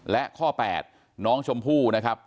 และข้อ๘น้องชมพู่นะครับ